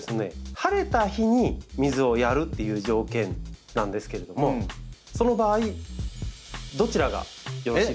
晴れた日に水をやるっていう条件なんですけれどもその場合どちらがよろしいでしょうか？